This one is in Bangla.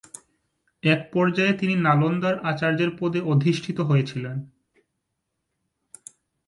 এক পর্যায়ে তিনি নালন্দার আচার্যের পদে অধিষ্ঠিত হয়েছিলেন।